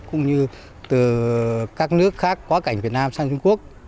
cũng như từ các nước khác quá cảnh việt nam sang trung quốc